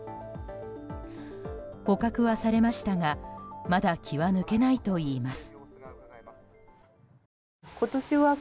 捕獲はされましたがまだ気は抜けないといいます。